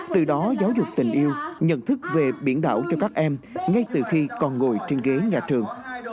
từ đó giáo dục tình yêu nhận thức về biển đảo cho các em ngay từ khi còn ngồi trên ghế nhà trường